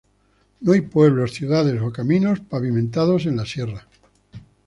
No hay pueblos, ciudades o caminos pavimentados en la Sierra.